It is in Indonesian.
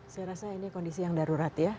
saya rasa ini kondisi yang darurat ya